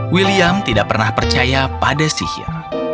william tidak pernah percaya pada sihir